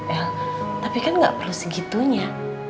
el tapi kan gak perlu segitunya